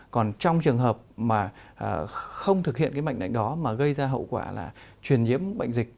còn trong trường hợp mà không thực hiện cái mệnh đánh đó mà gây ra hậu quả là truyền nhiễm bệnh dịch